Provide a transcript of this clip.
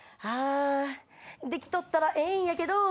できとったらええんやけど。